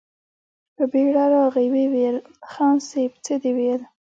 په بېړه راغی، ويې ويل: خان صيب! څه دې ويل؟